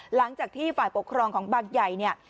หลังจากที่ฝ่ายปกครองของบางใหญ่เนี่ย